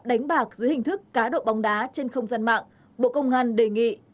đánh bạc dưới hình thức cá độ bóng đá trên không gian mạng bộ công an đề nghị